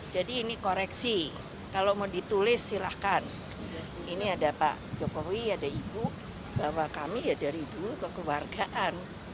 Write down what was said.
jadi ini koreksi kalau mau ditulis silahkan ini ada pak jokowi ada ibu bahwa kami ya dari dulu kekeluargaan